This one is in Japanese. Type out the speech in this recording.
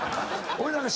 俺なんか。